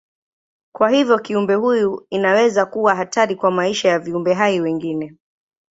Kwa hivyo kiumbe huyu inaweza kuwa hatari kwa maisha ya viumbe hai wengine.